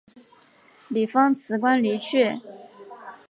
李芳辞官离去。